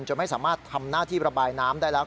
ไม่สามารถทำหน้าที่ระบายน้ำได้แล้ว